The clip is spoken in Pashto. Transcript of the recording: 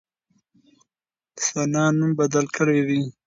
ثنا نوم بدل کړی دی.